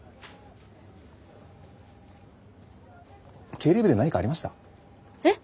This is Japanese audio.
経理部で何かありました？えっ？